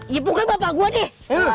iya bukan bapak gua deh